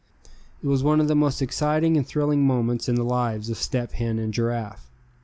It was one of the most exciting and thrilling moments in the lives of Step Hen and Giraffe.